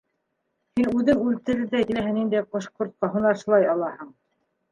— Һин үҙең үлтерерҙәй теләһә ниндәй ҡош-ҡортҡа һунарсылай алаһың.